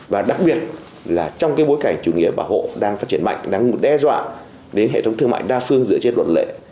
và đặc biệt là trong cái bối cảnh chủ nghĩa bảo hộ đang phát triển mạnh đang đe dọa đến hệ thống thương mại đa phương dựa trên luật lệ